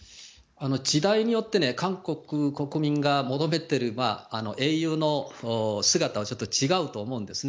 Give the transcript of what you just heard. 時代によって韓国国民が求めている英雄の姿は違うと思うんですね。